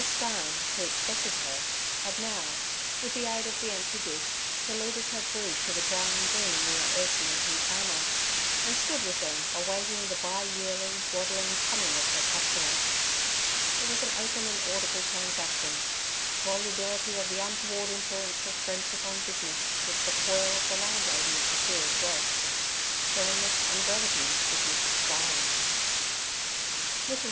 Stein, who expected her, had now, with the aid of the empty dish, deluded her brood to the drying green near Ursie and Hugh Palmer, and stood with them awaiting the bi yearly, waddling coming of her customer. It was an open and audible transaction; volubility of the untoward influence of friendship on business, was the foil of the landlady of the Shearers' Rest; firmness and brevity was Mrs. Stein's. Mrs.